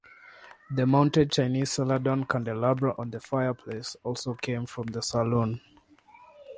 The mounted Chinese celadon candelabra on the fireplace also came from the saloon.